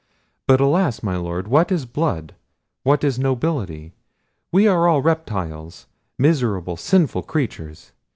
But alas! my Lord, what is blood! what is nobility! We are all reptiles, miserable, sinful creatures.